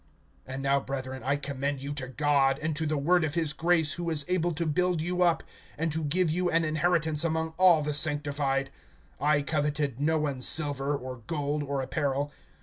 (32)And now, brethren, I commend you to God, and to the word of his grace, who is able to build you up, and to give you an inheritance among all the sanctified. (33)I coveted no one's silver, or gold, or apparel.